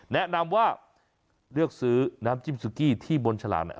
แนะนำว่าเลือกซื้อน้ำจิ้มสุกี้ที่บนฉลากเนี่ย